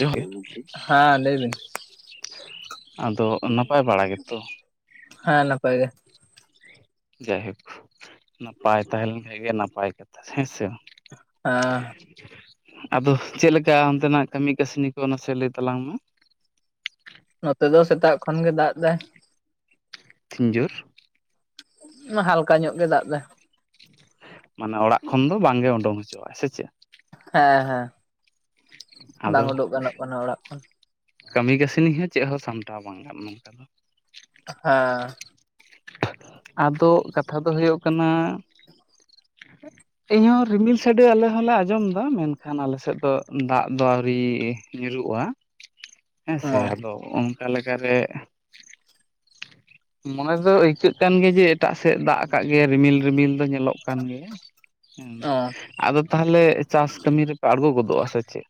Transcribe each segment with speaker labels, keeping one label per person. Speaker 1: ᱡᱚᱦᱟᱨ ᱜᱮ
Speaker 2: ᱦᱮᱸ ᱞᱟᱹᱭᱵᱤᱱ᱾
Speaker 1: ᱟᱫᱚ ᱱᱟᱯᱟᱭ ᱵᱟᱲᱟ ᱜᱮᱛᱚ
Speaker 2: ᱦᱮᱸ ᱱᱟᱯᱟᱭ ᱜᱮ
Speaker 1: ᱡᱟᱭᱦᱳᱠ ᱱᱟᱯᱟᱭ ᱛᱟᱦᱮᱸ ᱞᱮᱱ ᱠᱷᱟᱡ ᱜᱮ ᱱᱟᱯᱟᱭ ᱠᱟᱛᱷᱟ, ᱦᱮᱸᱥᱮ᱾
Speaker 2: ᱦᱸ
Speaker 1: ᱟᱫᱚ ᱪᱮᱫᱞᱮᱠᱟ ᱚᱱᱛᱮᱱᱟᱜ ᱠᱟᱹᱢᱤ ᱠᱟᱹᱥᱱᱤ ᱠᱚ ᱱᱟᱥᱮ ᱞᱟᱹᱭ ᱛᱟᱞᱟᱝ ᱢᱮ?
Speaker 2: ᱱᱚᱛᱮ ᱫᱚ ᱥᱮᱛᱟᱜ ᱠᱷᱚᱱ ᱜᱮ ᱫᱟᱜ ᱮᱫᱟᱭ᱾
Speaker 1: ᱛᱤᱧ ᱡᱩᱨ?
Speaker 2: ᱦᱟᱞᱠᱟ ᱧᱚᱜ ᱜᱮ ᱫᱟᱜ ᱫᱟᱭ
Speaker 1: ᱢᱟᱱᱮ ᱚᱲᱟᱜ ᱠᱷᱚᱱ ᱫᱚ ᱵᱟᱝᱜᱮ ᱩᱰᱩᱠ ᱦᱚᱪᱚᱣᱟᱜᱼᱟ ᱥᱮ ᱪᱮᱫ
Speaker 2: ᱦᱮᱸ ᱦᱮᱸ ᱵᱟᱝ
Speaker 1: ᱟᱫᱚ
Speaker 2: ᱩᱰᱩᱠ ᱜᱟᱱᱚᱜ ᱠᱟᱱᱟ ᱚᱲᱟᱜ ᱠᱷᱚᱱ
Speaker 1: ᱠᱟᱹᱢᱤ ᱠᱟᱹᱥᱱᱤ ᱦᱚᱸ ᱪᱮᱫ ᱦᱚᱸ ᱥᱟᱢᱴᱟᱣ ᱵᱟᱝ ᱜᱟᱱᱚᱜᱼᱟ ᱱᱚᱝᱠᱟ ᱫᱚ?
Speaker 2: ᱦᱮᱸ
Speaker 1: ᱟᱫᱚ ᱠᱟᱛᱷᱟ ᱫᱚ ᱦᱩᱭᱩᱜ ᱠᱟᱱᱟ ᱤᱧᱦᱚᱸ ᱨᱤᱢᱤᱞ ᱥᱟᱰᱮ ᱟᱞᱮ ᱦᱚᱸᱞᱮ ᱟᱸᱡᱚᱢ ᱮᱫᱟ ᱢᱮᱱᱠᱷᱟᱱ ᱟᱞᱮᱥᱮᱫ ᱫᱚ ᱫᱟᱜ ᱟᱣᱨᱤ ᱧᱩᱨᱩᱜᱼᱟ ᱦᱮᱸ ᱥᱮ
Speaker 2: ᱚ
Speaker 1: ᱟᱫᱚ ᱚᱱᱠᱟ ᱞᱮᱠᱟᱨᱮ ᱢᱚᱱᱮ ᱫᱚ ᱟᱹᱭᱠᱟᱹᱜ ᱠᱟᱱ ᱜᱮᱭᱟ ᱡᱮ ᱮᱴᱟᱜ ᱥᱮᱫ ᱫᱟᱜ ᱟᱠᱟᱫ ᱜᱮ ᱨᱤᱢᱤᱞ ᱨᱤᱢᱤᱞ ᱫᱚ ᱧᱮᱞᱚᱜ ᱠᱟᱱᱟ ᱠᱟᱱ ᱜᱮᱭᱟ
Speaker 2: ᱚ
Speaker 1: ᱟᱫᱚ ᱛᱟᱦᱚᱞᱮ ᱪᱟᱥ ᱠᱟᱹᱢᱤ ᱨᱮᱯᱮ ᱟᱬᱜᱚ ᱜᱚᱫᱚᱜᱼᱟ ᱥᱮ ᱪᱮᱫ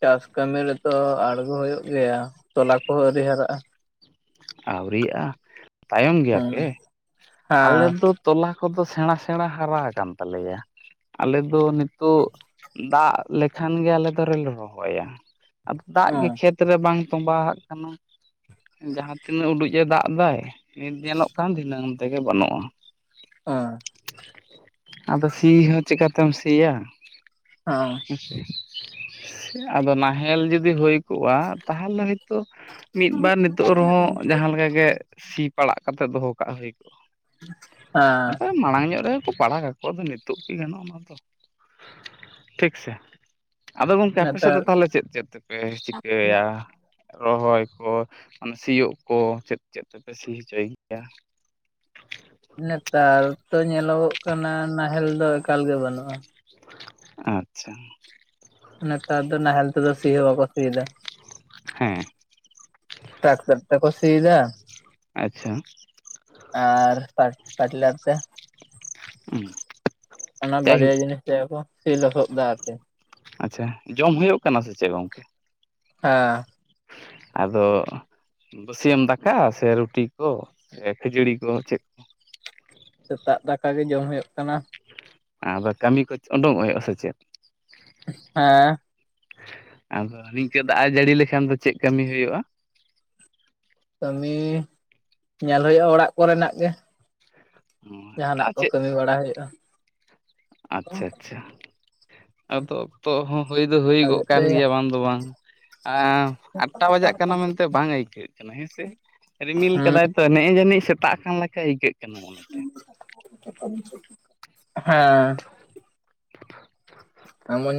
Speaker 2: ᱪᱟᱥ ᱠᱟᱹᱢᱤ ᱨᱮᱫᱚ ᱟᱲᱜᱚ ᱦᱩᱭᱩᱜ ᱜᱮᱭᱟ ᱛᱚᱞᱟ ᱠᱚᱦᱚᱸ ᱟᱹᱣᱨᱤ ᱦᱟᱨᱟᱜᱼᱟ
Speaker 1: ᱟᱹᱣᱨᱤᱟᱜᱼᱟ ᱛᱟᱭᱚᱢ
Speaker 2: ᱦᱩᱸ
Speaker 1: ᱜᱮᱭᱟᱯᱮ
Speaker 2: ᱦᱮᱸ
Speaker 1: ᱟᱞᱮ ᱫᱚ ᱛᱚᱞᱟ ᱠᱚᱫᱚ ᱥᱮᱬᱟ ᱥᱮᱬᱟ ᱦᱟᱨᱟ ᱟᱠᱟᱱ ᱛᱟᱞᱮᱭᱟ ᱟᱞᱮ ᱫᱚ ᱱᱤᱛᱚᱜ ᱫᱟᱜ ᱞᱮᱠᱷᱟᱱ ᱜᱮ ᱟᱞᱮ ᱫᱚᱞᱮ ᱨᱚᱦᱚᱭᱟ ᱟᱫᱚ ᱫᱟᱜ
Speaker 2: ᱚ
Speaker 1: ᱜᱮ ᱠᱷᱮᱛ ᱨᱮ ᱵᱟᱝ ᱛᱚᱸᱵᱟ ᱦᱟᱜ ᱠᱟᱱᱟ ᱡᱟᱦᱟᱸ ᱛᱤᱱᱟᱹᱜ ᱩᱰᱩᱡ ᱮ ᱫᱟᱜ ᱮᱫᱟ ᱱᱤᱛ ᱧᱮᱞᱚᱜ ᱠᱟᱱ ᱫᱷᱤᱱᱟᱹᱝ ᱛᱮᱜᱮ ᱵᱟᱹᱱᱩᱜᱼᱟ
Speaker 2: ᱚᱸ
Speaker 1: ᱟᱫᱚ ᱥᱤ ᱦᱚᱸ ᱪᱤᱠᱟᱛᱮᱢ ᱥᱤᱭᱟ?
Speaker 2: ᱦᱚᱸ
Speaker 1: ᱟᱫᱚ ᱱᱟᱦᱮᱞ ᱡᱩᱫᱤ ᱦᱩᱭ ᱠᱚᱜᱼᱟ᱾ ᱛᱟᱦᱚᱞᱮᱭ ᱛᱚ ᱢᱤᱫ ᱵᱟᱨ ᱱᱤᱛᱚᱜ ᱨᱮᱦᱚᱸ ᱡᱟᱦᱟᱸ ᱞᱮᱠᱟ ᱜᱮ ᱥᱤ ᱯᱟᱲᱟᱜ ᱠᱟᱛᱮᱜ ᱫᱚᱦᱚ ᱠᱟᱜ ᱦᱩᱭ ᱠᱚᱜᱼᱟ
Speaker 2: [unintelligible]
Speaker 1: ᱟᱫᱚ ᱢᱟᱲᱟᱝ ᱧᱚᱜ ᱨᱮᱜᱮ ᱠᱚ ᱯᱟᱲᱟᱜ ᱠᱟᱠᱚ ᱟᱫᱚ ᱱᱤᱛᱚᱜ ᱠᱤ ᱜᱟᱱᱚᱜᱼᱟ ᱚᱱᱟ ᱫᱚ ᱴᱷᱤᱠ ᱥᱮ ᱟᱫᱚ ᱜᱚᱝᱠᱮ ᱟᱯᱮ ᱥᱮᱫ
Speaker 2: ᱱᱮᱛᱟᱨ
Speaker 1: ᱫᱚ ᱛᱟᱦᱚᱞᱮ ᱪᱮᱫ ᱪᱮᱫ ᱛᱮᱯᱮ ᱪᱤᱠᱟᱹᱭᱟ? ᱨᱚᱦᱚᱭ ᱠᱚ ᱢᱟᱱᱮ ᱥᱤᱭᱳᱜ ᱚ ᱪᱮᱫ ᱪᱮᱫ ᱛᱮᱯᱮ ᱥᱤ ᱦᱚᱪᱚᱭ ᱜᱮᱭᱟ?
Speaker 2: ᱱᱮᱛᱟᱨ ᱛᱚ ᱧᱮᱞᱚᱜᱚᱜ ᱠᱟᱱᱟ ᱱᱟᱦᱮᱞ ᱫᱚ ᱮᱠᱟᱞ ᱜᱮ ᱵᱟᱹᱱᱩᱜᱼᱟ
Speaker 1: ᱟᱪᱷᱟ
Speaker 2: ᱱᱮᱛᱟᱨ ᱫᱚ ᱱᱟᱦᱮᱞ ᱛᱮᱫᱚ ᱥᱤ ᱦᱚᱸ ᱵᱟᱠᱚ ᱥᱤᱭᱮᱫᱟ
Speaker 1: ᱦᱮᱸ
Speaker 2: ᱴᱨᱟᱠᱛᱟᱨ ᱛᱮ ᱠᱚ ᱥᱤ‌ ᱮᱫᱟ
Speaker 1: ᱟᱪᱷᱟ
Speaker 2: ᱟᱨ ᱯᱟᱴᱤᱞᱟᱨ ᱛᱮ ᱚᱱᱟ
Speaker 1: ᱡᱟᱭᱦᱳᱠ
Speaker 2: ᱵᱟᱨᱭᱟ ᱡᱤᱱᱤᱥ ᱛᱮᱜᱮ ᱠᱚ ᱥᱤ ᱞᱚᱥᱚᱫ ᱮᱫᱟ ᱟᱨᱠᱤ
Speaker 1: ᱟᱪᱪᱷᱟ ᱡᱚᱢ ᱦᱩᱭᱩᱜ ᱠᱟᱱᱟ ᱥᱮ ᱪᱮᱫ ᱜᱚᱝᱠᱮ?
Speaker 2: ᱦᱮᱸ
Speaker 1: ᱟᱫᱚ ᱵᱟᱹᱥᱤᱭᱟᱢ ᱫᱟᱠᱟ ᱥᱮ ᱨᱩᱴᱤ ᱠᱚ ᱥᱮ ᱠᱷᱟᱹᱡᱟᱹᱲᱤ ᱠᱚ ᱪᱮᱫ ᱠᱚ
Speaker 2: ᱥᱮᱛᱟᱜ ᱫᱟᱠᱟ ᱜᱮ ᱡᱚᱢ ᱦᱩᱭᱩᱜ ᱠᱟᱱᱟ
Speaker 1: ᱟᱫᱚ ᱠᱟᱹᱢᱤ ᱠᱚ ᱩᱰᱩᱠᱚᱜ ᱦᱩᱭᱩᱜᱼᱟ ᱥᱮ ᱪᱮᱫ
Speaker 2: ᱦᱮᱸ
Speaker 1: ᱟᱫᱚ ᱱᱤᱝᱠᱟᱹ ᱫᱟᱜ ᱮ ᱡᱟᱹᱲᱤ ᱞᱮᱠᱷᱟᱱ ᱫᱚ ᱪᱮᱫ ᱠᱟᱹᱢᱤ ᱦᱩᱭᱩᱜᱼᱟ
Speaker 2: ᱠᱟᱹᱢᱤ ᱧᱮᱞ ᱦᱩᱭᱩᱜᱼᱟ ᱚᱲᱟᱜ ᱠᱚᱨᱮᱱᱟᱜ ᱜᱮ ᱡᱟᱦᱟᱱᱟᱜ
Speaker 1: ᱛᱟ
Speaker 2: ᱠᱚ ᱠᱟᱹᱢᱤ ᱵᱟᱲᱟ ᱦᱩᱭᱩᱜᱼᱟ
Speaker 1: ᱟᱪᱷᱟ ᱟᱪᱷᱟ ᱟᱫᱚ ᱚᱠᱛᱚ ᱦᱚᱸ ᱦᱩᱭ ᱫᱚ ᱦᱩᱭᱩᱜᱚᱜ ᱠᱟᱱ ᱜᱮᱭᱟ ᱵᱟᱝ ᱫᱚ ᱵᱟᱝ ᱟ ᱟᱴᱴᱟ ᱵᱟᱡᱟᱜ ᱠᱟᱱᱟ ᱢᱮᱱᱛᱮ ᱵᱟᱝ ᱟᱹᱭᱠᱟᱹᱜᱣᱟᱹᱜ ᱠᱟᱱᱟ ᱦᱮᱸᱥᱮ ᱨᱤᱢᱤᱞ
Speaker 2: ᱦᱩᱸ
Speaker 1: ᱠᱟᱫᱟᱭ ᱛᱚ ᱱᱮᱜ-ᱮ ᱡᱟᱹᱱᱤᱡ ᱥᱮᱛᱟᱜ ᱟᱠᱟᱱ ᱞᱮᱠᱟ ᱟᱹᱭᱠᱟᱹᱜ ᱠᱟᱱᱟ ᱢᱚᱱᱮᱛᱮ
Speaker 2: ᱦᱮᱸ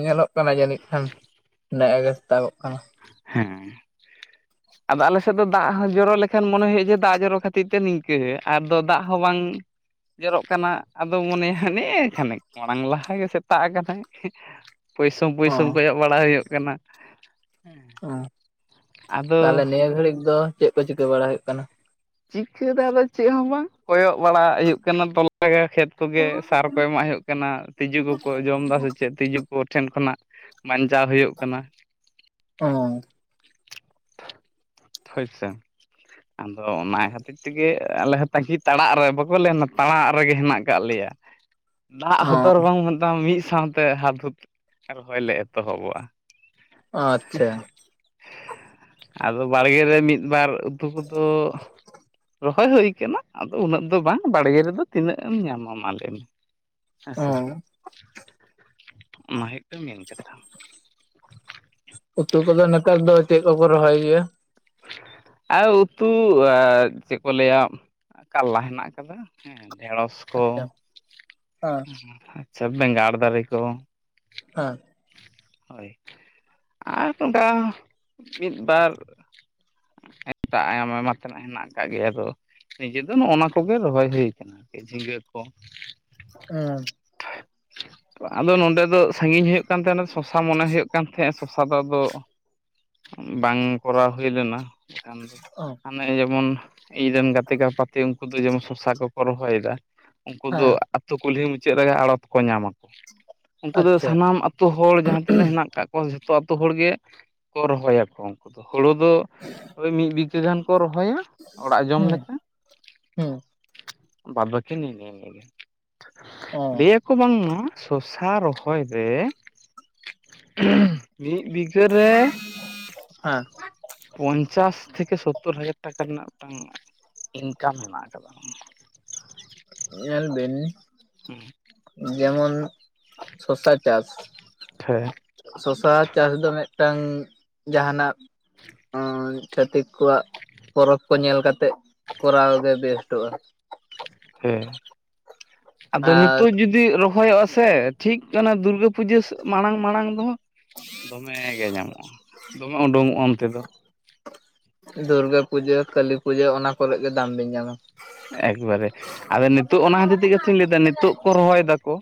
Speaker 2: ᱧᱮᱞᱚᱜ ᱠᱟᱱᱟ ᱡᱟᱹᱱᱤᱡ ᱠᱷᱟᱱ ᱱᱮᱜᱮ ᱥᱮᱛᱟᱜ
Speaker 1: ᱦᱮᱸ ᱟᱫᱚ ᱟᱞᱮ ᱥᱮᱫ ᱫᱚ ᱫᱟᱜ ᱦᱚᱸ ᱡᱚᱨᱚ ᱞᱮᱠᱟ ᱠᱷᱟᱱ ᱢᱚᱱᱮ ᱦᱩᱭᱩᱜᱼᱟ ᱫᱟᱜ ᱡᱚᱨᱚ ᱠᱷᱟᱹᱛᱤᱨ ᱛᱮ ᱱᱤᱝᱠᱟᱹ ᱟᱨᱫᱚ ᱫᱟᱜ ᱦᱚᱸ ᱵᱟᱝ ᱡᱚᱨᱚᱜ ᱠᱟᱱᱟ ᱟᱫᱚ ᱢᱚᱱᱮᱭᱟ ᱦᱟᱱᱮ ᱠᱷᱟᱱᱮᱠ ᱢᱟᱲᱟᱝ ᱞᱟᱦᱟ ᱜᱮ ᱥᱮᱛᱟᱜ ᱠᱟᱫᱟᱭ ᱯᱩᱭᱥᱩᱢ
Speaker 2: ᱚ
Speaker 1: ᱯᱩᱭᱥᱩᱢ ᱠᱚᱭᱚᱜ ᱵᱟᱲᱟ ᱦᱩᱭᱩᱜ ᱠᱟᱱᱟ ᱦᱮ
Speaker 2: ᱚ ᱛᱟᱦᱚᱞᱮ ᱱᱤᱭᱟᱹ ᱜᱷᱟᱹᱲᱤᱡ ᱫᱚ ᱪᱮᱫ ᱠᱚ ᱪᱤᱠᱟᱹ ᱵᱟᱲᱟ ᱦᱩᱭᱩᱜ ᱠᱟᱱᱟ?
Speaker 1: ᱪᱤᱠᱟᱹ ᱟᱫᱚ ᱪᱮᱫ ᱦᱚᱸ ᱵᱟᱝ ᱠᱚᱭᱚᱜ ᱵᱟᱲᱟ ᱦᱩᱭᱩᱜ ᱠᱟᱱᱟ ᱛᱚᱞᱟ ᱜᱮ ᱠᱷᱮᱛ ᱠᱚᱜᱮ ᱥᱟᱨ ᱠᱚ ᱮᱢᱟᱜ ᱦᱩᱭᱩᱜ ᱠᱟᱱᱟ ᱛᱤᱡᱩ ᱠᱚᱠᱚ ᱡᱚᱢ ᱮᱫᱟ ᱥᱮ ᱪᱮᱫ ᱛᱤᱡᱩ ᱠᱚ ᱴᱷᱮᱱ ᱠᱷᱚᱱᱟᱜ ᱵᱟᱧᱪᱟᱣ ᱦᱩᱭᱩᱜ ᱠᱟᱱᱟ
Speaker 2: ᱚ
Speaker 1: ᱦᱳᱭ ᱥᱮ ᱟᱫᱚ ᱚᱱᱟ ᱠᱷᱟᱹᱛᱤᱨ ᱛᱮᱜᱮ ᱟᱞᱮ ᱦᱚᱸ ᱛᱟᱸᱜᱤ ᱛᱟᱲᱟᱜ ᱨᱮ ᱵᱟᱠᱚ ᱞᱮᱭᱟ ᱛᱟᱲᱟᱜ ᱨᱮᱜᱮ ᱦᱮᱱᱟᱜ ᱠᱟᱫ ᱞᱮᱭᱟ ᱫᱟᱜ
Speaker 2: ᱚ
Speaker 1: ᱦᱚᱛᱚᱨ ᱵᱚᱝ ᱢᱮᱛᱟᱢ ᱢᱤᱫ ᱥᱟᱶᱛᱮ ᱦᱟᱫ ᱦᱩᱫ ᱨᱚᱦᱚᱭ ᱞᱮ ᱮᱛᱚᱦᱚᱵᱚᱜᱼᱟ
Speaker 2: ᱟᱪᱪᱷᱟ
Speaker 1: ᱟᱫᱚ ᱵᱟᱲᱜᱮ ᱨᱮ ᱢᱤᱫ ᱵᱟᱨ ᱛᱩᱯᱩ ᱫᱚ ᱨᱚᱦᱚᱭ ᱦᱩᱭᱩ ᱟᱠᱟᱱᱟ ᱟᱫᱚ ᱩᱱᱟᱹᱜ ᱫᱚ ᱵᱟᱝ ᱵᱟᱲᱜᱮ ᱨᱮᱫᱚ ᱛᱤᱱᱟᱹᱜ ᱮᱢ ᱧᱟᱢᱟ ᱢᱟ ᱞᱟ. ᱭ ᱢᱮ ᱦᱮᱸ
Speaker 2: ᱚ
Speaker 1: ᱥᱮ ᱚᱱᱟ ᱦᱩᱭᱩᱜ ᱠᱟᱱᱟ ᱢᱮᱱ ᱠᱟᱛᱷᱟ
Speaker 2: ᱩᱛᱩ ᱠᱚᱫᱚ ᱱᱮᱛᱟᱨ ᱫᱚ ᱪᱮᱫ ᱠᱚᱠᱚ ᱨᱚᱦᱚᱭ ᱜᱮᱭᱟ
Speaker 1: ᱟᱨ ᱩᱛᱩ ᱪᱮᱫ ᱠᱚ ᱞᱟᱹᱭᱟ ᱠᱟᱞᱞᱟ ᱦᱮᱱᱟᱜ ᱟᱠᱟᱫᱟ ᱰᱷᱮᱸᱲᱚᱥ ᱠᱚ
Speaker 2: ᱟᱪᱪᱷᱟ ᱦᱮᱸ
Speaker 1: ᱟᱪᱪᱷᱟ ᱵᱮᱸᱜᱟᱲ ᱫᱟᱨᱮ ᱠᱚ
Speaker 2: ᱦᱮᱸ
Speaker 1: ᱦᱳᱭ ᱟᱨ ᱱᱚᱱᱠᱟ ᱢᱤᱫ ᱵᱟᱨ ᱮᱴᱟᱜ ᱟᱭᱢᱟ ᱛᱮᱱᱟᱜ ᱦᱮᱱᱟᱜ ᱠᱟᱜ ᱜᱮᱭᱟ ᱟᱫᱚ ᱱᱤᱡᱮ ᱫᱚ ᱱᱚᱜᱼᱱᱟ ᱠᱚᱜᱮ ᱨᱚᱦᱚᱭ ᱦᱩᱭ ᱠᱟᱱᱟ ᱡᱷᱤᱸᱜᱟᱹ ᱠᱚ
Speaker 2: ᱟᱸᱻ
Speaker 1: [inaudible] ᱟᱫᱚ ᱱᱚᱸᱰᱮ ᱫᱚ ᱥᱟᱺᱜᱤᱧ ᱦᱩᱭᱩᱜ ᱠᱟᱱ ᱛᱟᱦᱮᱸᱱᱟ ᱥᱚᱥᱟ ᱢᱚᱱᱮ ᱦᱩᱭᱩᱜ ᱠᱟᱱ ᱛᱟᱦᱮᱸᱫ ᱥᱚᱥᱟ ᱫᱚ ᱟᱫᱚ ᱵᱟᱝ ᱠᱚᱨᱟᱣ ᱦᱩᱭ ᱞᱮᱱᱟ ᱮᱠᱷᱟᱱ ᱫᱚ
Speaker 2: ᱚ
Speaker 1: ᱚᱱᱮ ᱡᱮᱢᱚᱱ ᱤᱧ ᱨᱮᱱ ᱜᱟᱛᱮ ᱜᱟᱯᱟᱛᱮ ᱩᱱᱠᱩ ᱫᱚ ᱡᱮᱢᱚᱱ ᱥᱚᱥᱟ ᱠᱚᱠᱚ ᱨᱚᱦᱚᱭ ᱮᱫᱟ ᱩᱱᱠᱩ ᱫᱚ
Speaker 2: ᱦᱮᱸ
Speaker 1: ᱟᱹᱛᱩ ᱠᱩᱞᱦᱤ ᱢᱩᱪᱟᱹᱫ ᱨᱮᱜᱮ ᱟᱲᱚᱛ ᱠᱚ ᱧᱟᱢᱟ ᱩᱱᱠᱩ ᱫᱚ
Speaker 2: ᱟᱪᱪᱷᱟ
Speaker 1: ᱥᱟᱱᱟᱢ ᱟᱛᱩ ᱦᱚᱲ ᱡᱟᱦᱟᱸ ᱛᱤᱱᱟᱹᱜ ᱦᱮᱸᱱᱟᱜ ᱠᱟᱜ ᱡᱷᱚᱛᱚ ᱟᱛᱚ ᱦᱚᱲ ᱜᱮ ᱠᱚ ᱨᱚᱦᱚᱭᱟᱠᱚ ᱦᱩᱲᱩ ᱫᱚ ᱦᱚᱭ ᱢᱤᱫ ᱵᱤᱜ ᱪᱮᱫ ᱫᱷᱟᱱ ᱠᱚ ᱨᱚᱦᱚᱭᱟ ᱚᱲᱟᱜ ᱡᱚᱢ
Speaker 2: ᱦᱩᱸ
Speaker 1: ᱞᱮᱠᱟ?
Speaker 2: ᱦᱩᱸ
Speaker 1: ᱵᱟᱫ ᱵᱟᱠᱤ ᱱᱤᱝᱠᱟ ᱜᱮ
Speaker 2: ᱚ
Speaker 1: ᱞᱟᱹᱭᱟᱠ ᱠᱚ ᱵᱟᱝᱢᱟ ᱥᱚᱥᱟ ᱨᱚᱦᱚᱭ ᱨᱮ ᱢᱤᱫ ᱵᱤᱜᱽ ᱪᱟᱹᱨ ᱨᱮ
Speaker 2: [inaudible] ᱦᱟᱸ
Speaker 1: ᱯᱚᱧᱪᱟᱥ ᱛᱷᱮᱠᱮ ᱥᱚᱛᱛᱚᱨ ᱦᱟᱡᱟᱨ ᱴᱟᱠᱟ ᱨᱮᱱᱟᱜ ᱢᱤᱫᱴᱟᱝ ᱤᱱᱠᱟᱢ ᱢᱮᱱᱟᱜ ᱟᱠᱟᱫᱟ
Speaker 2: ᱧᱮᱞ ᱵᱤᱱ
Speaker 1: ᱦᱩᱸ
Speaker 2: ᱡᱮᱢᱚᱱ ᱥᱚᱥᱟ ᱪᱟᱥ
Speaker 1: ᱴᱷᱮ
Speaker 2: ᱥᱚᱥᱟ ᱪᱟᱥ ᱫᱚ ᱢᱤᱫᱴᱟᱝ ᱡᱟᱸᱦᱟᱱᱟᱜ ᱦᱚᱭ ᱪᱷᱟᱹᱛᱤᱠ ᱠᱚᱣᱟᱜ ᱯᱚᱨᱚᱵᱽ ᱠᱚ ᱧᱮᱞ ᱠᱟᱛᱮᱜ ᱠᱚᱨᱟᱣ ᱜᱮ ᱵᱮᱥᱴᱚᱜᱼᱟ᱾
Speaker 1: ᱦᱮ ᱟᱫᱚ
Speaker 2: ᱟᱨ
Speaker 1: ᱱᱤᱛᱚᱜ ᱡᱩᱫᱤ ᱨᱚᱦᱚᱭᱚᱜᱼᱟ ᱥᱮ ᱴᱷᱤᱠ ᱠᱟᱱᱟ ᱫᱩᱨᱜᱟᱹ ᱯᱩᱡᱟᱹ ᱢᱟᱲᱟᱝ ᱢᱟᱲᱟᱝ ᱫᱚ ᱫᱚᱢᱮ ᱜᱮ ᱧᱟᱢᱚᱜᱼᱟ, ᱫᱚᱢᱮ ᱩᱰᱩᱝ ᱚᱜᱼᱟ ᱚᱱᱛᱮ ᱫᱚ᱾
Speaker 2: ᱫᱩᱨᱜᱟᱹ ᱯᱩᱡᱟᱹ ᱠᱟᱹᱞᱤ ᱯᱩᱡᱟᱹ ᱚᱱᱟ ᱠᱚᱨᱮ ᱜᱮ ᱫᱟᱢ ᱵᱮᱱ ᱧᱟᱢᱟ᱾
Speaker 1: ᱮᱠᱵᱟᱨᱮ ᱟᱫᱚ ᱱᱤᱛᱚᱜ ᱚᱱᱟ ᱤᱫᱤ ᱛᱮᱜᱮᱛᱤᱧ ᱞᱟᱹᱭᱫᱟ ᱱᱤᱛᱚᱜ ᱠᱚ ᱨᱚᱦᱚᱭ ᱫᱟᱠᱚ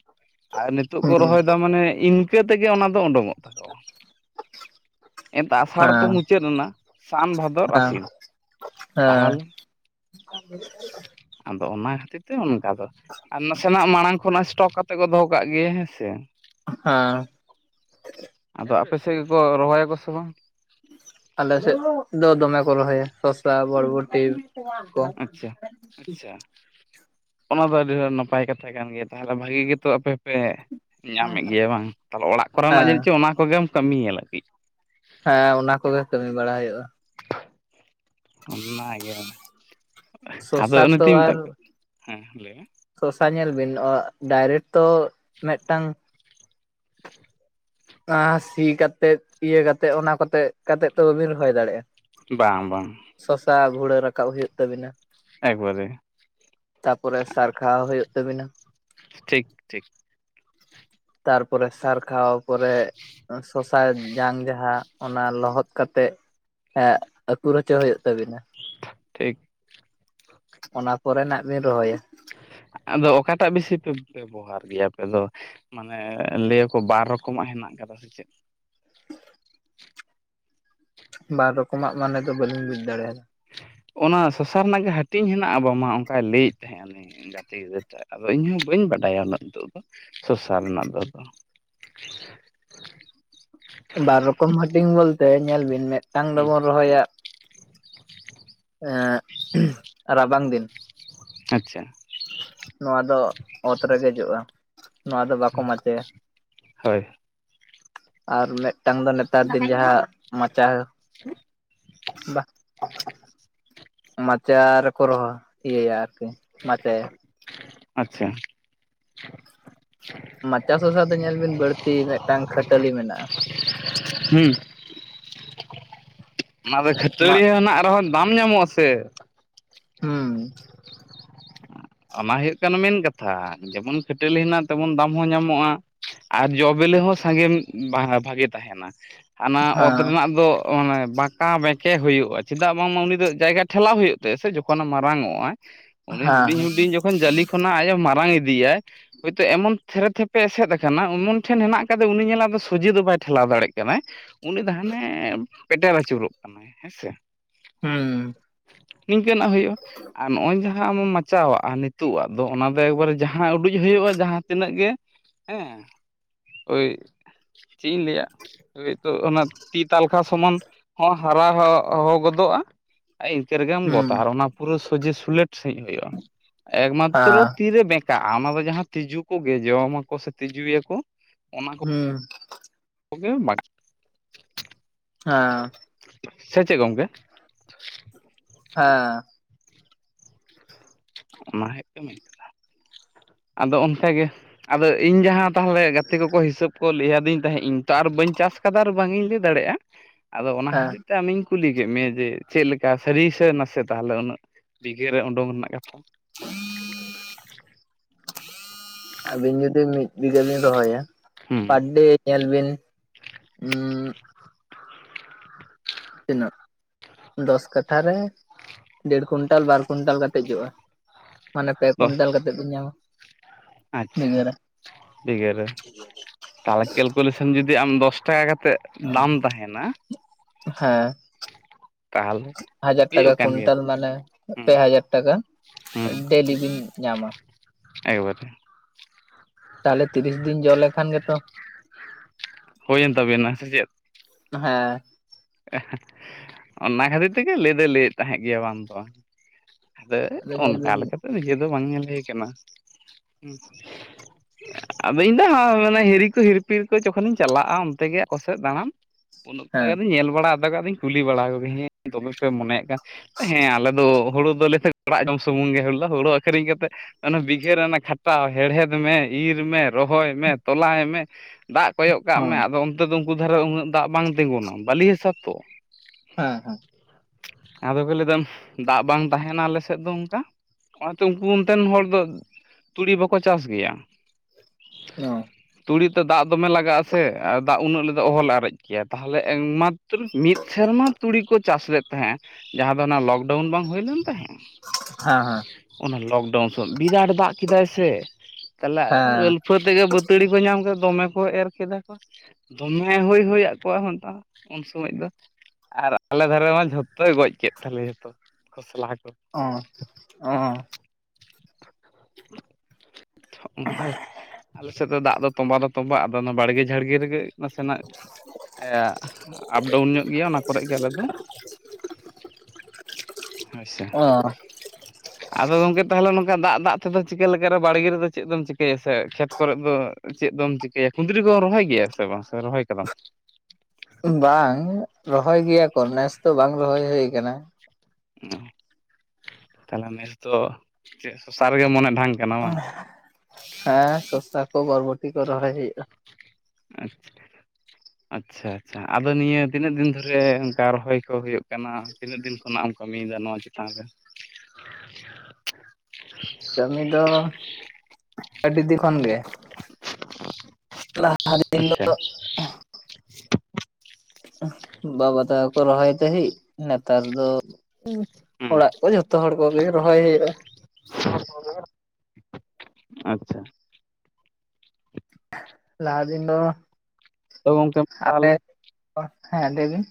Speaker 1: ᱟᱨ ᱱᱤᱛᱚᱜ ᱠᱚ
Speaker 2: ᱦᱩᱸ
Speaker 1: ᱨᱚᱦᱚᱭ ᱫᱟ ᱢᱟᱱᱮ ᱤᱱᱠᱟᱹ ᱛᱮᱜᱮ ᱚᱱᱟ ᱫᱚ ᱚᱰᱚᱝ ᱚᱜ ᱛᱟᱠᱚᱣᱟ᱾ ᱮᱱᱛᱟ ᱟᱥᱟᱲ ᱫᱚ
Speaker 2: ᱦᱮᱸ
Speaker 1: ᱢᱩᱪᱟᱹᱫ ᱮᱱᱟ ᱥᱟᱱ ᱵᱷᱟᱫᱚᱨ
Speaker 2: ᱦᱮᱸ
Speaker 1: ᱟᱹᱥᱤᱱ
Speaker 2: ᱦᱮᱸ
Speaker 1: ᱛᱟᱦᱟᱞᱮ
Speaker 2: [inaudible]
Speaker 1: ᱟᱫᱚ ᱚᱱᱟ ᱠᱷᱟᱹᱛᱤᱨ ᱛᱮ ᱚᱱᱠᱟ ᱫᱚ ᱟᱨ ᱱᱟᱥᱮᱱᱟᱜ ᱢᱟᱲᱟᱝ ᱠᱷᱚᱱᱟᱜ ᱮᱥᱴᱚᱠ ᱠᱟᱛᱮ ᱠᱚ ᱫᱚᱦᱚ ᱠᱟᱜ ᱜᱮ ᱦᱮᱸ ᱥᱮ
Speaker 2: ᱦᱟᱸ
Speaker 1: ᱟᱫᱚ ᱟᱯᱮ ᱥᱮᱫ ᱜᱮᱠᱚ ᱨᱚᱦᱚᱭᱟᱠᱚ ᱥᱮ ᱵᱟᱝ
Speaker 2: ᱟᱞᱮ ᱥᱮᱫ ᱫᱚ ᱫᱚᱢᱮ ᱠᱚ ᱨᱚᱦᱚᱭᱟ ᱥᱚᱥᱟ ᱵᱚᱲᱵᱚᱴᱤ
Speaker 1: ᱟᱪᱪᱷᱟ ᱟᱪᱪᱷᱟ ᱚᱱᱟ ᱫᱚ ᱟᱹᱰᱤ ᱱᱟᱯᱟᱭ ᱠᱟᱛᱷᱟ ᱠᱟᱱ ᱜᱮᱭᱟ ᱛᱟᱦᱚᱞᱮ ᱵᱷᱟᱹᱜᱤ ᱜᱮᱛᱚ ᱟᱯᱮ ᱯᱮ ᱧᱟᱢᱮᱫ ᱜᱮᱭᱟ ᱵᱟᱝ ᱛᱟᱦᱚᱞᱮ ᱚᱲᱟᱜ ᱠᱚᱨᱮᱱᱟᱜ
Speaker 2: ᱦᱮᱸ
Speaker 1: ᱡᱟᱹᱱᱤᱡ ᱪᱚ ᱚᱱᱟ ᱠᱚᱜᱮᱢ ᱠᱟᱹᱢᱤ ᱧᱮᱞᱮᱫ ᱜᱤ
Speaker 2: ᱦᱮᱸ ᱚᱱᱟ ᱠᱚᱜᱮ ᱠᱟᱹᱢᱤ ᱵᱟᱲᱟ ᱦᱩᱭᱩᱜᱼᱟ᱾
Speaker 1: ᱚᱱᱟ ᱜᱮ ᱟᱫᱚ
Speaker 2: ᱥᱚᱥᱟ
Speaker 1: ᱚᱱᱮ
Speaker 2: ᱛᱚ
Speaker 1: ᱛᱤᱧ
Speaker 2: ᱟᱨ
Speaker 1: ᱢᱮᱛᱟᱜ ᱦᱮᱸ ᱞᱟᱹᱭ ᱢᱮ
Speaker 2: ᱥᱚᱥᱟ ᱧᱮᱞ ᱵᱤᱱ ᱱᱚᱣᱚᱜ ᱰᱟᱭᱨᱮᱴ ᱛᱚ ᱢᱤᱫᱴᱟᱝ ᱟ ᱥᱤ ᱠᱟᱛᱮᱫ ᱤᱭᱟᱹ ᱠᱟᱛᱮᱫ ᱚᱱᱟ ᱠᱚᱛᱮ ᱠᱟᱛᱮᱫ ᱛᱚ ᱵᱟᱵᱤᱱ ᱨᱚᱦᱚᱭ ᱫᱟᱲᱮᱭᱟᱜᱼᱟ᱾
Speaker 1: ᱵᱟᱝ ᱵᱟᱝ
Speaker 2: ᱥᱚᱥᱟ ᱵᱷᱩᱲᱟᱹ ᱨᱟᱠᱟᱵ ᱦᱩᱭᱩᱜ ᱛᱟᱵᱤᱱᱟ᱾
Speaker 1: ᱮᱠᱵᱟᱨᱮ
Speaker 2: ᱛᱟᱯᱚᱨᱮ ᱥᱟᱨ ᱠᱷᱟᱣ ᱦᱩᱭᱩᱜ ᱛᱟᱵᱤᱱᱟ
Speaker 1: ᱴᱷᱤᱠ ᱴᱷᱤᱠ
Speaker 2: ᱛᱟᱨᱯᱚᱨᱮ ᱥᱟᱨ ᱠᱷᱟᱣ ᱯᱚᱨᱮ ᱥᱚᱥᱟᱭ ᱡᱟᱝ ᱡᱟᱦᱟᱸ ᱚᱱᱟ ᱞᱚᱦᱚᱫ ᱠᱟᱛᱮᱜ ᱮᱜ ᱟᱹᱠᱩᱨ ᱦᱚᱪᱚ ᱦᱩᱭᱩᱜ ᱛᱟᱵᱤᱱᱟ
Speaker 1: ᱴᱷᱤᱠ
Speaker 2: ᱚᱱᱟ ᱯᱚᱨᱮ ᱱᱟᱜ ᱵᱤᱱ ᱨᱚᱦᱚᱭᱟ
Speaker 1: ᱟᱫᱚ ᱚᱠᱟᱴᱟᱜ ᱵᱤᱥᱤ ᱯᱮ ᱵᱮᱵᱚᱦᱟᱨ ᱜᱮᱭᱟ ᱟᱯᱮ ᱫᱚ ᱢᱟᱱᱮ ᱞᱟᱹᱭᱟᱠᱚ ᱵᱟᱨ ᱨᱚᱠᱚᱢᱟᱜ ᱦᱮᱱᱟᱜ ᱠᱟᱫᱟ ᱥᱮ ᱪᱮᱫ
Speaker 2: ᱵᱟᱨ ᱨᱚᱠᱚᱢᱟᱜ ᱢᱟᱱᱮ ᱫᱚ ᱵᱟᱹᱞᱤᱧ ᱵᱩᱡ ᱫᱟᱲᱮᱭᱟᱫᱟ
Speaker 1: ᱚᱱᱟ ᱥᱚᱥᱟ ᱨᱮᱱᱟᱜ ᱜᱮ ᱦᱟᱹᱴᱤᱧ ᱦᱮᱱᱟᱜᱼᱟ ᱵᱟᱝᱢᱟ ᱚᱱᱠᱟᱭ ᱞᱟᱹᱭᱮᱫ ᱛᱟᱦᱮᱸᱫ ᱩᱱᱤ ᱜᱟᱛᱮ ᱜᱤᱫᱽᱟᱹᱨᱟᱹ ᱴᱟᱜ ᱟᱫᱚ ᱤᱧᱦᱚ ᱵᱟᱹᱧ ᱵᱟᱰᱟᱭᱟ ᱩᱱᱟᱹᱜ ᱱᱤᱛᱳᱜ ᱫᱚ ᱥᱚᱥᱟ ᱨᱮᱱᱟᱜ ᱫᱚ ᱟᱫᱚ
Speaker 2: ᱵᱟᱨ ᱨᱚᱠᱚᱢ ᱦᱟᱹᱴᱤᱧ ᱵᱚᱞᱛᱮ ᱧᱮᱞ ᱵᱤᱱ ᱢᱤᱫᱴᱟᱝ
Speaker 1: ᱦᱩᱸ
Speaker 2: ᱫᱚᱵᱚᱱ ᱨᱚᱦᱚᱭᱟ ᱮᱸᱜ ᱨᱟᱵᱟᱝ ᱫᱤᱱ
Speaker 1: ᱟᱪᱪᱷᱟ
Speaker 2: ᱱᱚᱣᱟ ᱫᱚ ᱚᱛ ᱨᱮᱜᱮ ᱡᱚᱜᱼᱟ ᱱᱚᱣᱟ ᱫᱚ ᱵᱟᱠᱚ ᱢᱟᱪᱮᱭᱟ
Speaker 1: ᱦᱳᱭ
Speaker 2: ᱟᱨ ᱢᱤᱫᱴᱟᱝ ᱫᱚ ᱱᱮᱛᱟᱨ ᱫᱤᱱ ᱡᱟᱦᱟᱸ ᱢᱟᱪᱟ
Speaker 1: [inaudible]
Speaker 2: ᱵᱟ ᱢᱟᱪᱟ ᱨᱮᱠᱚ ᱨᱚᱦᱚ ᱤᱭᱟᱹᱭᱟ ᱟᱨᱠᱤ ᱢᱟᱪᱟᱭᱟ
Speaker 1: ᱟᱪᱪᱷᱟ
Speaker 2: ᱢᱟᱪᱟ ᱥᱚᱥᱟ ᱫᱚ ᱧᱮᱞ ᱵᱤᱱ ᱵᱟᱹᱲᱛᱤ ᱢᱤᱫᱴᱟᱝ ᱠᱷᱟᱹᱴᱟᱹᱞᱤ ᱢᱮᱱᱟᱜᱼᱟ
Speaker 1: ᱦᱩᱸ ᱚᱱᱟ ᱫᱚ ᱠᱷᱟᱹᱴᱟ. ᱞᱤ
Speaker 2: ᱢᱟᱜ
Speaker 1: ᱢᱮᱱᱟᱜ ᱨᱮᱦᱚᱸ ᱫᱟᱢ ᱧᱟᱢᱚᱜᱼᱟ ᱥᱮ
Speaker 2: ᱦᱩᱸ
Speaker 1: ᱚᱱᱟ ᱦᱩᱭᱩᱜ ᱠᱟᱱᱟ ᱢᱮᱱ ᱠᱟᱛᱷᱟ ᱡᱮᱢᱚᱱ ᱠᱷᱟᱹᱴᱟᱹᱞᱤ ᱦᱮᱱᱟᱜ ᱛᱮᱢᱚᱱ ᱫᱟᱢ ᱦᱚᱸ ᱧᱟᱢᱚᱜᱼᱟ ᱟᱨ ᱡᱚ ᱵᱤᱞᱤ ᱦᱚᱸ ᱥᱟᱸᱜᱮᱢ ᱵᱷᱟ ᱵᱷᱟᱜᱮ ᱛᱟᱦᱮᱱᱟ ᱦᱟᱱᱟ ᱚᱛ
Speaker 2: ᱦᱮᱸ
Speaker 1: ᱨᱮᱱᱟᱜ ᱫᱚ ᱚᱱᱮ ᱵᱟᱸᱠᱟ ᱵᱮᱸᱠᱮ ᱦᱩᱭᱩᱜᱼᱟ ᱪᱮᱫᱟᱜ ᱵᱟᱝᱢᱟ ᱩᱱᱤ ᱫᱚ ᱡᱟᱭᱜᱟ ᱴᱷᱮᱞᱟᱣ ᱦᱩᱭᱩᱜ ᱛᱟᱭᱟ ᱥᱮ ᱡᱚᱠᱷᱚᱱᱮ ᱢᱟᱨᱟᱝᱚᱜ-ᱟ ᱩᱱᱤ
Speaker 2: ᱦᱮᱸ
Speaker 1: ᱦᱩᱰᱤᱧ ᱦᱩᱰᱤᱧ ᱡᱚᱠᱷᱚᱱ ᱡᱟᱹᱞᱤ ᱠᱷᱚᱱᱟᱜ ᱟᱡ-ᱮ ᱢᱟᱨᱟᱝ ᱤᱫᱤᱭᱟ ᱦᱚᱳᱭᱛᱳ ᱮᱢᱚᱱ ᱛᱷᱮᱨᱮ ᱛᱷᱮᱯᱮ ᱮᱥᱮᱫ ᱟᱠᱟᱱᱟ ᱮᱢᱚᱱ ᱴᱷᱮᱱ ᱦᱮᱱᱟᱜ ᱠᱟᱫᱮ ᱩᱱᱤ ᱧᱮᱞᱟ ᱫᱚ ᱥᱚᱡᱮ ᱫᱚ ᱵᱟᱭ ᱴᱷᱮᱞᱟᱣ ᱫᱟᱲᱮᱭᱟᱜ ᱠᱟᱱᱟᱭ ᱩᱱᱤ ᱫᱚ ᱦᱟᱱᱮ ᱯᱮᱴᱮᱨ ᱟᱹᱪᱩᱨᱚᱜ ᱠᱟᱱᱟᱭ ᱦᱮᱸ ᱥᱮ
Speaker 2: ᱦᱩᱸ
Speaker 1: ᱱᱤᱝᱠᱟᱹᱱᱟᱜ ᱦᱩᱭᱩᱜᱼᱟ ᱟᱨ ᱱᱚᱜᱼᱚᱭ ᱡᱟᱦᱟᱸ ᱟᱢᱮᱢ ᱢᱟᱪᱟᱣᱟᱜ ᱟᱨ ᱱᱤᱛᱳ ᱟᱜ ᱫᱚ ᱚᱱᱟ ᱫᱚ ᱮᱠᱵᱟᱨᱮ ᱡᱟᱦᱟᱸ ᱩᱰᱩᱡ ᱦᱩᱭᱩᱜᱼᱟ ᱡᱟᱦᱟᱸ ᱛᱤᱱᱟᱹᱜ ᱜᱮ ᱦᱮᱸ ᱳᱭ ᱪᱮᱫ ᱤᱧ ᱞᱟᱹᱭᱟ ᱳᱭ ᱛᱚ ᱚᱱᱟ ᱛᱤ ᱛᱟᱞᱠᱟᱷᱟ ᱥᱚᱢᱟᱱ ᱦᱚᱸ ᱦᱟᱨᱟ ᱦᱚ ᱜᱚᱫᱚᱜᱼᱟ ᱤᱱᱠᱟᱹ ᱨᱮᱜᱮᱢ
Speaker 2: ᱦᱩᱸ
Speaker 1: ᱜᱚᱫᱟ ᱟᱨ ᱚᱱᱟ ᱯᱩᱨᱟᱹ ᱥᱚᱡᱷᱮ ᱥᱳᱞᱮᱴ ᱥᱟᱺᱦᱤᱡ ᱦᱩᱭᱩᱜᱼᱟ ᱮᱠᱢᱟᱛᱨᱚ
Speaker 2: ᱦᱮᱸ
Speaker 1: ᱛᱤᱨᱮ ᱵᱮᱠ ᱠᱟᱜ ᱚᱱᱟ ᱫᱚ ᱡᱟᱦᱟᱸ ᱛᱤᱡᱩ ᱠᱚᱜᱮ ᱡᱚᱢᱟᱠᱚ ᱥᱮ ᱛᱤᱡᱩᱭᱟᱠᱚ ᱚᱱᱟ ᱠᱚ
Speaker 2: ᱦᱩᱸ
Speaker 1: [unintelligible]
Speaker 2: ᱟᱸᱻ
Speaker 1: ᱥᱮ ᱪᱮᱫ ᱜᱚᱝᱠᱮ
Speaker 2: ᱮᱸ
Speaker 1: ᱚᱱᱟ ᱦᱩᱭᱩᱜ ᱠᱟᱱᱟ ᱢᱤᱫ ᱠᱟᱛᱷᱟ, ᱟᱫᱚ ᱚᱱᱠᱟᱟᱜᱮ ᱟᱫᱚ ᱤᱧ ᱡᱟᱦᱟᱸ ᱛᱟᱦᱚᱞᱮ ᱜᱟᱛᱮ ᱠᱚᱠᱚ ᱦᱤᱥᱟᱹᱵ ᱠᱚ ᱞᱟᱹᱭᱟ ᱫᱤᱧ ᱛᱟᱦᱮᱸᱫ ᱤᱧ ᱛᱚ ᱟᱨ ᱵᱟᱹᱧ ᱪᱟᱥ ᱠᱟᱫᱟ ᱟᱨ ᱵᱟᱝ ᱤᱧ ᱞᱟᱹᱭ ᱫᱟᱲᱮᱭᱟᱜᱼᱟ ᱟᱫᱚ ᱚᱱᱟ
Speaker 2: ᱦᱮᱸ
Speaker 1: ᱦᱚᱸᱛᱮ ᱛᱮ ᱟᱢᱤᱧ ᱠᱩᱞᱤ ᱠᱮᱫ ᱢᱮᱭᱟ ᱡᱮ ᱪᱮᱫ ᱞᱮᱠᱟ ᱥᱟᱹᱨᱤ ᱥᱮ ᱱᱟᱥᱮ ᱛᱟᱦᱚᱞᱮ ᱩᱱᱟᱹᱜ ᱵᱤᱜᱷᱟ. ᱨᱮ ᱩᱰᱩᱝ ᱨᱮᱱᱟᱜ ᱠᱟᱛᱷᱟ
Speaker 2: [unintelligible] ᱟᱹᱵᱤᱱ ᱡᱩᱫᱤ ᱢᱤᱫ ᱵᱤᱜᱷᱟᱹ ᱵᱤᱱ ᱨᱚᱦᱚᱭᱟ
Speaker 1: ᱦᱩᱸ
Speaker 2: ᱯᱟᱨᱰᱮ ᱮᱞᱵᱤᱱ ᱩᱸ ᱛᱤᱱᱟᱹᱜ ᱫᱚᱥ ᱠᱟᱴᱷᱟ ᱨᱮ ᱰᱮᱹᱲ ᱠᱩᱭᱱᱴᱟᱞ ᱵᱟᱨ ᱠᱩᱭᱱᱴᱟᱞ ᱠᱟᱛᱮᱫ ᱡᱚᱜᱼᱟ ᱢᱟᱱᱮ ᱯᱮ ᱠᱤᱱᱴᱟᱞ ᱠᱟᱛᱮᱫ ᱵᱤᱱ ᱧᱟᱢᱟ᱾
Speaker 1: ᱟᱪᱪᱷᱟ
Speaker 2: ᱵᱤᱜᱷᱟᱹ ᱨᱮ
Speaker 1: ᱵᱤᱜᱟᱹᱨ ᱨᱮ ᱛᱟᱦᱚᱞᱮ ᱠᱮᱞᱠᱩᱞᱮᱥᱚᱱ ᱡᱩᱫᱤ ᱟᱢ ᱫᱚᱥ ᱴᱟᱠᱟ ᱠᱟ ᱠᱟᱛᱮᱜ ᱫᱟᱢ ᱛᱟᱦᱮᱱᱟ᱾
Speaker 2: ᱦᱮᱸ᱾
Speaker 1: ᱛᱟᱦᱚᱞᱮ
Speaker 2: ᱦᱟᱡᱟᱨ ᱴᱟᱠᱟ
Speaker 1: ᱦᱩᱭᱩᱜ ᱠᱟᱱ ᱜᱮᱭᱟ
Speaker 2: ᱠᱩᱭᱱᱴᱟᱞ ᱢᱟᱱᱮ,
Speaker 1: ᱦᱩᱸ
Speaker 2: ᱯᱮ ᱦᱟᱡᱟᱨ ᱴᱟᱠᱟ᱾
Speaker 1: ᱦᱩᱸ
Speaker 2: ᱰᱮᱞᱤ ᱵᱤᱱ ᱧᱟᱢᱟ,
Speaker 1: ᱮᱠᱵᱟᱨᱮ
Speaker 2: ᱛᱟᱦᱚᱞᱮ ᱛᱤᱨᱤᱥ ᱫᱤᱱ, ᱡᱚᱜ ᱞᱮᱠᱷᱟᱱ ᱜᱮᱛᱚ
Speaker 1: ᱦᱳᱭ ᱭᱮᱱ ᱛᱟᱵᱤᱱᱟ ᱥᱮ ᱪᱮᱫ?
Speaker 2: ᱦᱮᱸ᱾
Speaker 1: ᱚᱱᱟ ᱠᱷᱟᱹᱛᱤᱨ ᱛᱮᱜᱮ ᱞᱟᱹᱭ ᱫᱚᱭ ᱞᱟᱹᱭᱮᱫ ᱛᱟᱦᱮᱸᱫ ᱜᱮᱭᱟ ᱵᱟᱝ ᱫᱚ ᱵᱟᱝ᱾ ᱟᱫᱚ
Speaker 2: ᱧᱮᱞ
Speaker 1: ᱚᱱᱠᱟ
Speaker 2: ᱵᱤᱱ
Speaker 1: ᱞᱮᱠᱟ ᱫᱚ ᱱᱤᱡᱮ ᱫᱚ ᱵᱟᱝ ᱧᱮᱞ ᱦᱩᱭ ᱠᱟᱱᱟ᱾ ᱟᱫᱚ ᱤᱧ ᱦᱚ ᱢᱟᱱᱮ ᱦᱤᱨᱤ ᱠᱚ ᱦᱤᱨᱯᱤᱨ ᱠᱚ ᱡᱚᱠᱷᱚᱱᱤᱧ ᱪᱟᱞᱟᱜᱼᱟ ᱚᱱᱛᱮ ᱜᱮ ᱟᱠᱚ ᱥᱮᱫ ᱫᱟᱬᱟᱱ, ᱩᱱᱟᱹ
Speaker 2: ᱦᱮᱸ
Speaker 1: ᱚᱛ ᱧᱮᱞ ᱵᱟᱲᱟ ᱟᱫᱟᱜ ᱫᱚᱧ ᱠᱩᱞᱤ ᱵᱟᱲᱟ ᱠᱚᱜᱮ ᱦᱮᱸ ᱛᱚᱵᱮ ᱯᱮ ᱢᱚᱱᱭᱮᱫ ᱠᱟᱱ ᱦᱮᱸ ᱟᱞᱮ ᱫᱚ ᱦᱩᱲᱩ ᱫᱚᱞᱮ ᱟᱲᱟᱜ ᱡᱚᱢ ᱥᱩᱢᱩᱝ ᱜᱮ ᱦᱩᱲ ᱫᱚ ᱦᱩᱲᱩ ᱟᱹᱠᱷᱨᱤᱧ ᱠᱟᱛᱮᱜ ᱚᱱᱟ ᱵᱤᱜᱷᱟ ᱨᱮᱱᱟ ᱠᱷᱟᱴᱟᱣ ᱦᱮᱲᱦᱮᱫ ᱢᱮ ᱤᱨ ᱢᱮ ᱨᱚᱦᱚᱭ ᱢᱮ ᱛᱚᱞᱟᱭ ᱢᱮ ᱫᱟᱜ ᱠᱚᱭᱚᱜ ᱠᱟᱜ ᱢᱮ
Speaker 2: ᱦᱚᱸ
Speaker 1: ᱟᱫᱚ ᱚᱱᱛᱮ ᱫᱚ ᱩᱱᱠᱩ ᱫᱷᱟᱨᱮ ᱩᱱᱟᱹᱜ ᱫᱟᱜ ᱵᱟᱝ ᱛᱤᱸᱜᱩᱱᱟ ᱵᱟᱹᱞᱤ ᱦᱟᱥᱟ ᱛᱚ᱾
Speaker 2: ᱦᱮᱸ, ᱦᱮᱸ᱾
Speaker 1: ᱟᱫᱚ ᱠᱚ ᱞᱟᱹᱭᱫᱟᱢ ᱫᱟᱜ ᱵᱟᱝ ᱛᱟᱦᱮᱱᱟ ᱟᱞᱮ ᱥᱮᱫ ᱫᱚ ᱚᱱᱠᱟ ᱚᱱᱟᱛᱮ ᱩᱱᱠᱩ ᱚᱱᱛᱮᱱ ᱦᱚᱲ ᱫᱚ ᱛᱩᱲᱤ ᱵᱟᱠᱚ ᱪᱟᱥ ᱜᱮᱭᱟ᱾
Speaker 2: ᱚᱸ,
Speaker 1: ᱛᱩᱲᱤ ᱛᱮ ᱫᱟᱜ ᱫᱚᱢᱮ ᱞᱟᱜᱟᱜᱼᱟ ᱥᱮ ᱫᱟᱜ ᱩᱱᱟᱹᱜ ᱨᱮ ᱚᱦᱚᱞᱮ ᱟᱨᱮᱡ ᱠᱮᱭᱟ ᱛᱟᱦᱚᱞᱮ ᱢᱟ ᱢᱤᱫ ᱥᱮᱨᱢᱟ ᱛᱩᱲᱤ ᱠᱚ ᱪᱟᱥ ᱞᱮᱫ ᱛᱟᱦᱮᱸ, ᱡᱟᱦᱟᱸ ᱫᱚ ᱚᱱᱟ ᱞᱚᱠᱰᱟᱣᱩᱱ ᱵᱟᱝ ᱦᱩᱭᱞᱮᱱ ᱛᱟᱦᱮᱸ᱾
Speaker 2: ᱦᱮᱸ
Speaker 1: ᱚᱱᱟ ᱞᱚᱠᱰᱟᱣᱩᱱ ᱥᱮ ᱵᱤᱨᱟᱴ ᱫᱟᱜ ᱠᱮᱫᱟᱭ ᱥᱮ ᱛᱟᱦᱚᱞᱮ
Speaker 2: ᱦᱮᱸ
Speaker 1: ᱟᱹᱞᱯ ᱯᱷᱟᱹ ᱛᱮᱜᱮ ᱵᱟᱹᱛᱟᱹᱲᱤ ᱠᱚ ᱧᱟᱢ ᱠᱮᱫᱟ ᱫᱚᱢᱮ ᱠᱚ ᱮᱨ ᱠᱮᱫᱟ ᱠᱚ ᱫᱚᱢᱮ ᱦᱩᱭ ᱦᱚᱭᱟᱜ ᱠᱚᱣᱟ᱾ ᱩᱱ ᱥᱚᱢᱚᱭ ᱫᱚ ᱟᱨ ᱟᱞᱮ ᱫᱷᱟᱨᱮ ᱢᱟ ᱡᱷᱚᱛᱚᱭ ᱜᱚᱡ ᱠᱮᱫ ᱛᱟᱞᱮ, ᱡᱚᱛᱚ ᱠᱷᱚᱥ ᱞᱟ ᱠᱚ᱾
Speaker 2: ᱚ ᱚ
Speaker 1: ᱚᱱᱠᱟ ᱟᱞᱮ ᱥᱮᱫ ᱫᱚ ᱫᱟᱜ ᱫᱚ ᱛᱚᱸᱵᱟ ᱫᱚ ᱛᱚᱵᱟᱜ ᱫᱚ ᱚᱱᱟ ᱵᱟᱲᱜᱮ ᱡᱷᱟᱲᱜᱮ ᱨᱮᱜᱮ ᱱᱟᱥᱮᱱᱟᱜ ᱟᱜ ᱟᱯᱰᱟᱣᱩᱱ ᱧᱚᱜ ᱜᱮᱭᱟ ᱚᱱᱟ ᱠᱚᱨᱮ ᱜᱮ ᱟᱞᱮ ᱫᱚ ᱦᱳᱭ ᱥᱮ᱾ ᱟᱫᱚ ᱜᱚᱢᱠᱮ ᱛᱟᱦᱚᱞᱮ ᱱᱚᱝᱠᱟ ᱫᱟᱜ ᱫᱟᱜ ᱛᱮᱫᱚ ᱪᱤᱠᱟᱹ ᱞᱟᱠᱟ ᱨᱮ ᱵᱟᱲᱜᱤ ᱨᱮᱫᱚ ᱪᱮᱜ ᱫᱚᱢ ᱪᱮᱠᱭᱟ ᱠᱷᱮᱛ ᱠᱚᱨᱮ ᱫᱚ ᱪᱮᱜ ᱫᱚᱢ ᱪᱮᱠᱭᱟ ᱠᱩᱸᱫᱨᱤ ᱠᱚᱭ ᱨᱚᱦᱚᱭ ᱜᱤᱭᱟ ᱥᱮ ᱵᱟᱝ? ᱨᱚᱦᱚᱭ ᱠᱟᱫᱟᱢ
Speaker 2: ᱵᱟᱝ ᱨᱚᱦᱚᱭ ᱜᱮᱭᱟ ᱠᱚ ᱱᱮᱥ ᱫᱚ ᱵᱟᱝ ᱨᱚᱦᱚᱭ ᱦᱩ ᱟᱠᱟᱱᱟ᱾
Speaker 1: ᱛᱟᱦᱞᱮ ᱱᱮᱥ ᱫᱚ ᱪᱮᱫ ᱥᱚᱥᱟᱨ ᱨᱮᱜᱮ ᱢᱚᱱᱮ ᱰᱷᱟᱝ ᱠᱟᱱᱟ ᱵᱟᱝ?
Speaker 2: ᱦᱮᱸ ᱥᱚᱥᱟ ᱠᱚ ᱵᱚᱨᱵᱚᱴᱤ ᱠᱚ ᱨᱚᱦᱚᱭ ᱦᱩᱭᱩᱜᱼᱟ᱾
Speaker 1: ᱟᱪᱷᱟ ᱟᱪᱪᱷᱟ ᱟᱪᱪᱷᱟ ᱟᱫᱚ ᱱᱤᱭᱟᱹ ᱛᱤᱱᱟᱹᱜ ᱫᱤᱱ ᱫᱤᱱ ᱨᱮ ᱚᱱᱠᱟ ᱨᱚᱦᱚᱭ ᱠᱚ ᱦᱩᱭᱩᱜ ᱠᱟᱱᱟ ᱛᱤᱱᱟᱹᱜ ᱫᱤᱱ ᱠᱷᱚᱱᱟᱜ ᱮᱢ ᱠᱟᱹᱢᱤᱭᱮᱫᱟ ᱱᱚᱣᱟ ᱪᱮᱛᱟᱱ ᱨᱮ᱾ [inaudible]
Speaker 2: ᱠᱟᱹᱢᱤ ᱫᱚ ᱟᱹᱰᱤ ᱫᱤᱱ ᱠᱷᱚᱱ ᱜᱮ ᱞᱟᱦᱟ ᱫᱤᱱ
Speaker 1: ᱟᱪᱪᱷᱟ
Speaker 2: ᱫᱚ ᱵᱟᱵᱟ ᱛᱟᱠᱚ ᱠᱚ ᱨᱚᱦᱚᱭ ᱛᱟᱦᱮᱸᱜ ᱱᱮᱛᱟᱨ ᱫᱚ
Speaker 1: ᱦᱩᱸ
Speaker 2: ᱚᱲᱟᱜ ᱠᱚ ᱡᱷᱚᱛᱚ ᱦᱚᱲ ᱠᱚᱜᱮ ᱨᱚᱦᱚᱭ ᱦᱩᱭᱩᱜ
Speaker 1: [unintelligible] ᱟᱪᱷᱟ
Speaker 2: ᱞᱟᱦᱟ ᱫᱤᱱ ᱫᱚ,
Speaker 1: ᱛᱚ ᱜᱚᱝᱠᱮ ᱛᱟᱦᱚᱞᱮ
Speaker 2: ᱟᱯᱮ ᱦᱮᱸ ᱞᱟᱭᱵᱮᱱ,